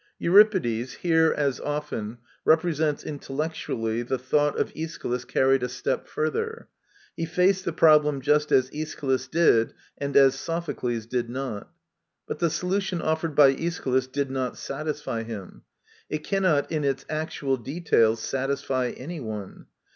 Euripides, here as often, represents intellectually the thought of Aeschylus carried a step further. He faced the problem just as Aeschylus did, and as Sophocles did not But the solution offered by Aeschylus did not satisfy him. It cannot, in its actual details, satisfy any one.